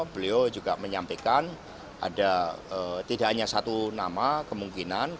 beliau juga menyampaikan ada tidak hanya satu nama kemungkinan